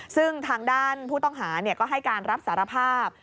ซึ่งทางด้านผู้ต้องหาก็ให้การรับสารภาพ